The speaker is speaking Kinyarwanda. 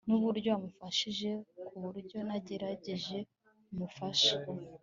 nuburyo wamufashije kuburyo nagerageje Umufasha